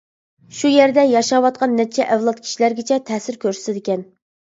شۇ يەردە ياشاۋاتقان نەچچە ئەۋلاد كىشىلەرگىچە تەسىر كۆرسىتىدىكەن.